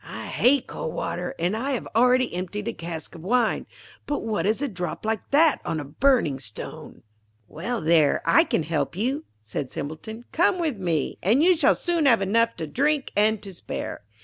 I hate cold water, and I have already emptied a cask of wine; but what is a drop like that on a burning stone?' 'Well, there I can help you,' said Simpleton. 'Come with me, and you shall soon have enough to drink and to spare.'